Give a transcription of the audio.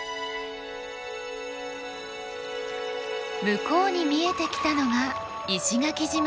向こうに見えてきたのが石垣島。